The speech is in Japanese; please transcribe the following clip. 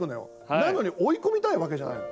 なのに追い込みたいわけじゃないの。